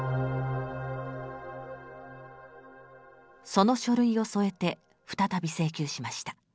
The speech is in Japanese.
その書類を添えて再び請求しました。